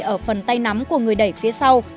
ở phần tay nắm của người đẩy phía sau